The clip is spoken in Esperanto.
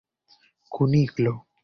Kuniklo!